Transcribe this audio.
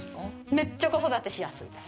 めっちゃ子育てしやすいです。